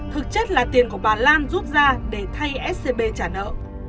thực chất là tiền của bà lan rút ra để thay scb trả nợ